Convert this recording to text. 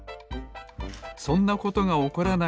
そんなことがおこらないよう